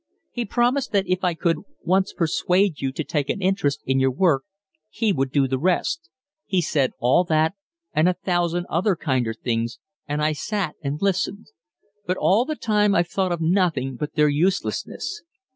He promised that if I could once persuade you to take an interest in your work, he would do the rest. He said all that, and a thousand other kinder things and I sat and listened. But all the time I thought of nothing but their uselessness.